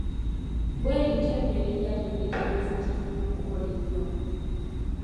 Bwe lityo nno erinnya lino litegeeza nti tulina okukola ennyo.